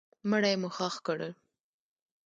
مړی مو ښخ کړ.